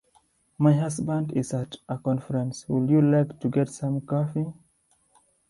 My husband is at a conference. Would you like to get some coffee?